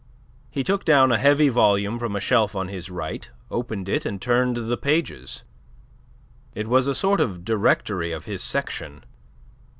He took down a heavy volume from a shelf on his right, opened it and turned the pages. It was a sort of directory of his section.